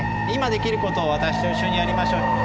今できることを私と一緒にやりましょう。